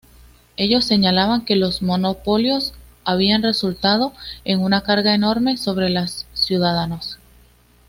Ellos señalaban que los monopolios habían resultado en una carga enorme sobre los ciudadanos.